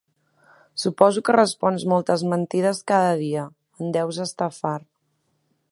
Suposo que respons moltes mentides cada dia, en deus estar fart.